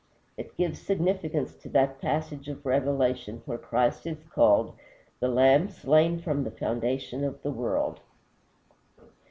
It gives significance to that passage of Revelation where Christ is called "the Lamb slain from the foundation of the world."